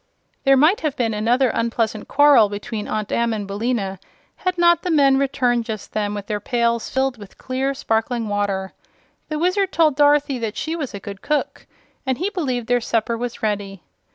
There might have been another unpleasant quarrel between Aunt Em and Billina had not the men returned just then with their pails filled with clear, sparkling water. The Wizard told Dorothy that she was a good cook and he believed their supper was ready.